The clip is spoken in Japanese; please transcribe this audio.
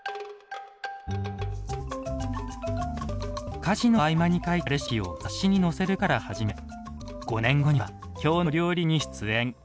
家事の合間に書いたレシピを雑誌に載せることから始め５年後には「きょうの料理」に出演。